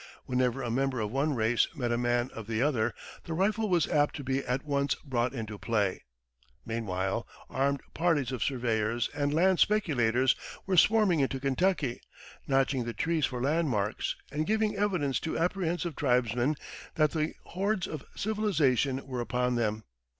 Whenever a member of one race met a man of the other the rifle was apt to be at once brought into play. Meanwhile, armed parties of surveyors and land speculators were swarming into Kentucky, notching the trees for landmarks, and giving evidence to apprehensive tribesmen that the hordes of civilization were upon them.